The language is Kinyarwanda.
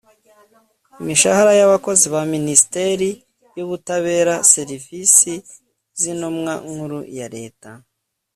imishahara y'abakozi ba minisiteri y'ubutabera/serivisi z'intumwa nkuru ya leta